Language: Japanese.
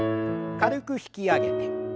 軽く引き上げて。